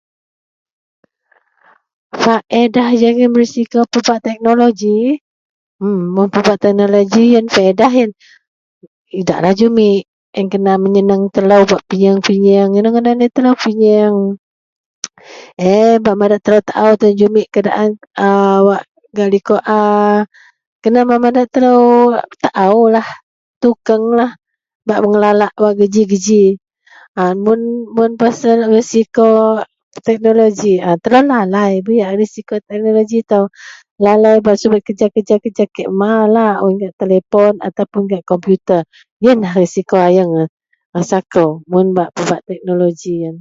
Faedah jegam risiko pebak teknologi mun pasal teknologi yian idaklah jumek sebab telo ba penyieng bak mada telo tau tan kumek wakgak likou a kenan baka madak telo tau tukenglah bak mengelalak wak geji mau pasal risiko lalai telo bo yak lalu da kena subet keja keja malar un gak telephone atau gak komputetr yian lah risiko ayieng bagi kou. Mun bak pasal teknologi yian.